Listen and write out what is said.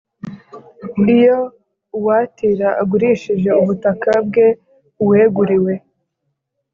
Iyo uwatira agurishije ubutaka bwe uweguriwe